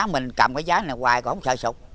mình cầm cái giá này hoài còn không sợ sụp